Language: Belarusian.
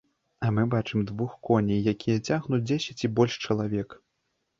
А мы бачым двух коней, якія цягнуць дзесяць і больш чалавек.